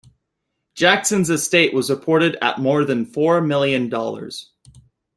Jackson's estate was reported at more than four million dollars.